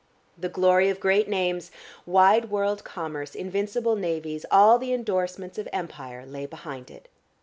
The glory of great names, wide world commerce, invincible navies, all the endorsements of Empire, lay behind it.